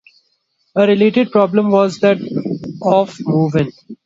A related problem was that of 'move-in'.